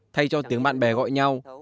thay cho tiếng bạn bè gọi nhau